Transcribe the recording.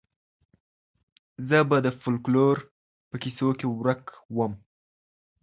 زه به د فولکلور په کيسو کي ورک وم.